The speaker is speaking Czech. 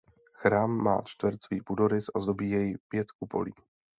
Chrám má čtvercový půdorys a zdobí jej pět kupolí.